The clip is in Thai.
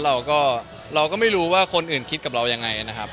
เราก็เราก็ไม่รู้ว่าคนอื่นคิดกับเรายังไงนะครับ